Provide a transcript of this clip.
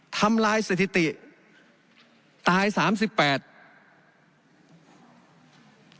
ทำลายสถิติประชาชน